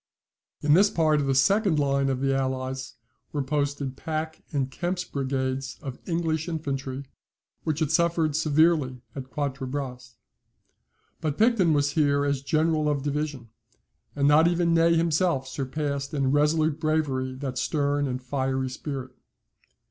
In this part of the second line of the Allies were posted Pack and Kempt's brigades of English infantry, which had suffered severely at Quatre Bras. But Picton was here as general of division, and not even Ney himself surpassed in resolute bravery that stern and fiery spirit.